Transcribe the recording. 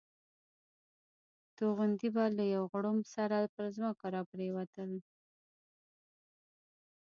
توغندي به له یو غړومب سره پر ځمکه را پرېوتل.